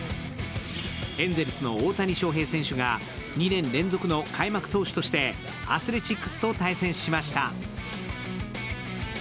エンゼルスの大谷翔平選手が２年連続の開幕投手としてアスレチックスと対戦しました。